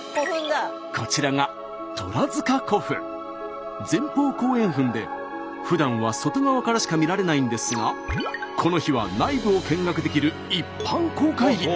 こちらが前方後円墳でふだんは外側からしか見られないんですがこの日は内部を見学できる一般公開日。